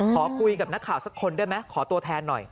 ขอคุยกับนักข่าวสักคนได้ไหมขอตัวแทนหน่อย